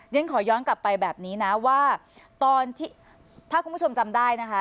ฉันขอย้อนกลับไปแบบนี้นะว่าตอนที่ถ้าคุณผู้ชมจำได้นะคะ